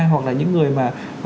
hoặc là những người mà